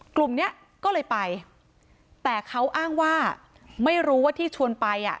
กลุ่มเนี้ยก็เลยไปแต่เขาอ้างว่าไม่รู้ว่าที่ชวนไปอ่ะ